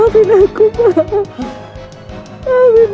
tapi apa ini akan berjalan